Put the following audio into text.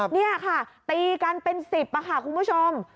นี่ค่ะตีกันเป็น๑๐ค่ะคุณผู้ชม